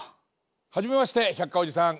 はじめまして百科おじさん。